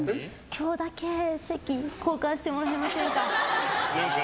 今日だけ席交換してもらえませんか。